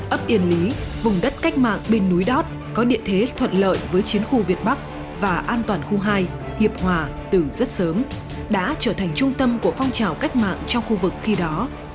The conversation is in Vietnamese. ấp yên lý vùng đất cách mạng bên núi đót có địa thế thuận lợi với chiến khu việt bắc và an toàn khu hai hiệp hòa từ rất sớm đã trở thành trung tâm của phong trào cách mạng trong khu vực khi đó